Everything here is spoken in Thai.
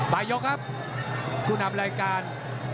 ยกครับผู้นำรายการ